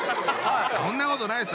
そんなことないです